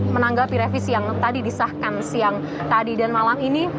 menanggapi revisi yang tadi disahkan siang tadi dan malam ini